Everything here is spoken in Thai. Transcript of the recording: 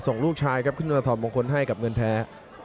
ส่งลูกชายครับขึ้นมาถอดมงคลให้กับเงินแท้